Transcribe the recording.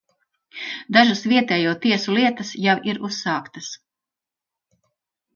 Dažas vietējo tiesu lietas jau ir uzsāktas.